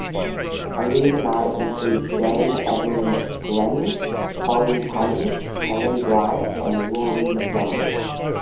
Alumni include Dame Evelyn Glennie, Colin Currie, Helen Grime and Rory Macdonald.